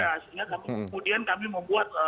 kemudian kami membuat